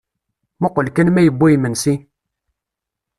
Muqel kan ma yewwa yimensi?